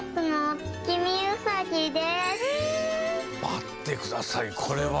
まってくださいこれは。